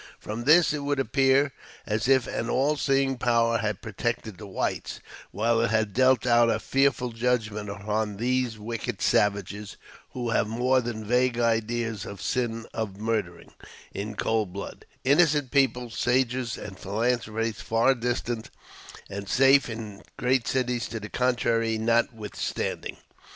From this, it would appear as if an all seeing power had protected the whites, while it had dealt out a fearful judgment upon these wicked savages, who have more than vague ideas of the sin of murdering, in cold blood, innocent people, sages and philanthropists far distant and safe in great cities to the contrary notwithstanding.